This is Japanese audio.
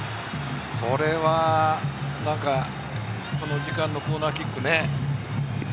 これは何か、この時間のコーナーキック。